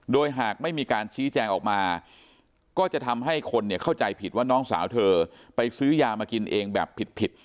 โดยหากไม่มีการชี้แจงออกมาก็จะทำให้คนเข้าใจผิดว่าน้องสาวเธอไปซื้อยามากินเองแบบผิด